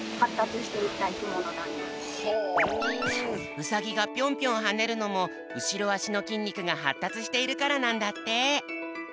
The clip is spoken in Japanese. ウサギがぴょんぴょんはねるのもうしろあしのきんにくがはったつしているからなんだって。